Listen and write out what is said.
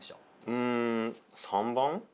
うん３番？